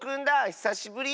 ひさしぶり。